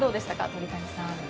鳥谷さん。